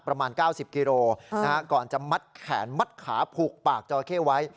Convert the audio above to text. ประมาณ๙๐กิโลก่อนจะมัดแขนมัดขาผูกปากจอราเข้ไว้